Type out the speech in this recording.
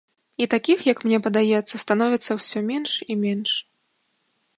І такіх, як мне падаецца, становіцца ўсё менш і менш.